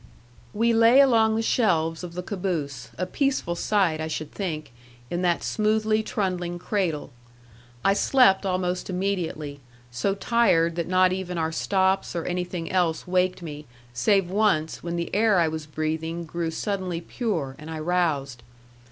We lay along the shelves of the caboose, a peaceful sight I should think, in that smoothly trundling cradle. I slept almost immediately, so tired that not even our stops or anything else waked me, save once, when the air I was breathing grew suddenly pure, and I roused.